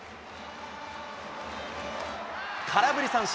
空振り三振。